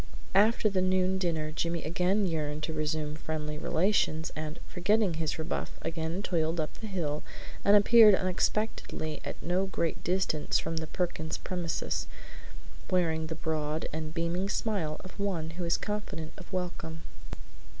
After the noon dinner Jimmy again yearned to resume friendly relations, and, forgetting his rebuff, again toiled up the hill and appeared unexpectedly at no great distance from the Perkins premises, wearing the broad and beaming smile of one who is confident of welcome.